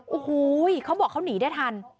โอ้โหเขาบอกเขาหนีได้ทัน